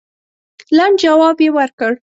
لنډ جواب یې ورکړ.